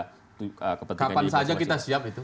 kapan saja kita siap itu